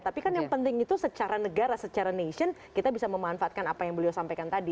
tapi kan yang penting itu secara negara secara nation kita bisa memanfaatkan apa yang beliau sampaikan tadi